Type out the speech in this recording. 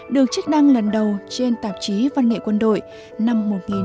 được trích đăng lần đầu trên tạp chí văn nghệ quân đội năm một nghìn chín trăm tám mươi